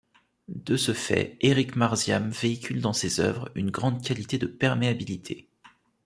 De ce fait, Eric Marsiam véhicule dans ses œuvres une grande qualité de perméabilité.